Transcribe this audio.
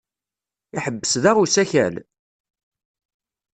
Iḥebbes da usakal?